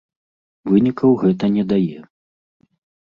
Вынікаў гэта не дае.